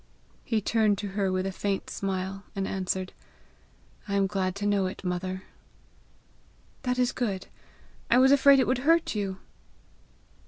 He turned to her with a faint smile, and answered, "I am glad to know it, mother." "That is good. I was afraid it would hurt you!"